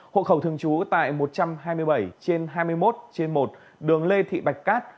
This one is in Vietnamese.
hộ khẩu thường trú tại một trăm hai mươi bảy trên hai mươi một trên một đường lê thị bạch cát